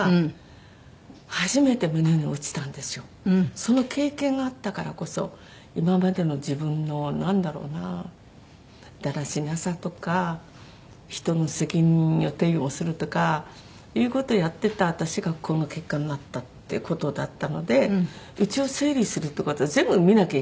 その経験があったからこそ今までの自分のなんだろうなだらしなさとか人に責任を転移をするとかっていう事をやってた私がこの結果になったっていう事だったので家を整理するって事は全部見なきゃいけないんですよね。